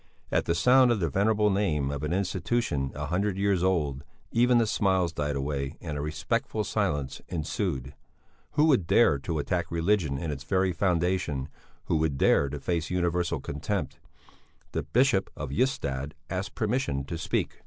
At the sound of the venerable name of an institution a hundred years old, even the smiles died away and a respectful silence ensued. Who would dare to attack religion in its very foundation, who would dare to face universal contempt? The Bishop of Ystad asked permission to speak.